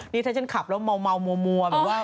นี่ถ้าฉันขับแล้วเมามัว